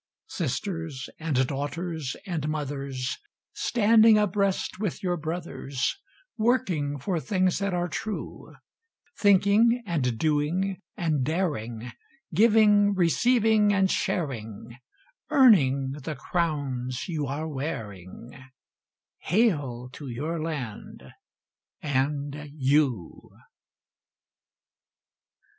Sisters and daughters and mothers, Standing abreast with your brothers, Working for things that are true; Thinking and doing and daring, Giving, receiving, and sharing, Earning the crowns you are wearing— Hail to your land and you!